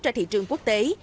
ra thị trường quốc tế